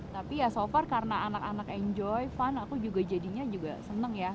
tapi ya so far karena anak anak enjoy fun aku juga jadinya juga senang ya